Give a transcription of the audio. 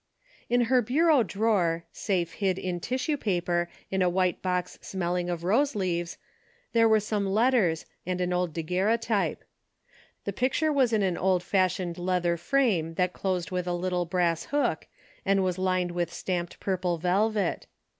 In her bureau drawer, safe hid in tissue paper in a white box smelling of rose leaves there were some letters, and an old daguerreo type. The picture was in an old fashioned leather frame that closed with a little brass hook, and was lined with stamped purple vel vet.